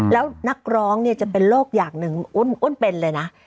แล้วนักร้องเนี่ยจะเป็นโลกอย่างหนึ่งอ้วนเป็นเลยนะ